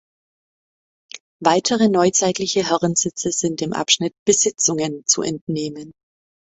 Weitere neuzeitliche Herrensitze sind dem Abschnitt „Besitzungen“ zu entnehmen.